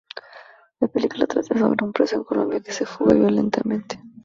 La película trata sobre un preso en Colombia que se fuga violentamente.